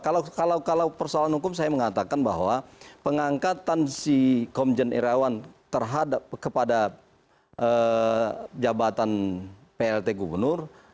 kalau persoalan hukum saya mengatakan bahwa pengangkatan si komjen irawan terhadap kepada jabatan plt gubernur